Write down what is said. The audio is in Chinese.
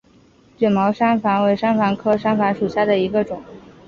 卷毛山矾为山矾科山矾属下的一个种。